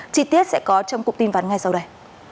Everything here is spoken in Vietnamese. chi tiết sẽ có trong cụm tin vắn ngay sau đây